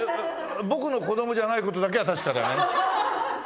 僕の子供じゃない事だけは確かだよね。